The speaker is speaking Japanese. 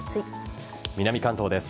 南関東です。